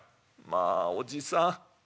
「まあおじさん。